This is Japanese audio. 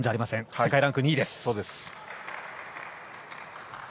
世界ランク２位です。